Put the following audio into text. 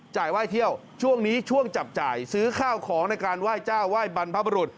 ไหว้เที่ยวช่วงนี้ช่วงจับจ่ายซื้อข้าวของในการไหว้เจ้าไหว้บรรพบรุษ